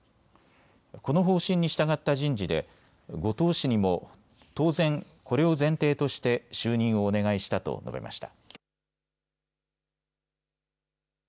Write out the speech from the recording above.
この方針に従った人事で後藤氏にも当然これを前提として就任をお願いしたと述べました。